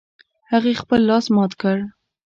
هغې خپل لاس مات کړ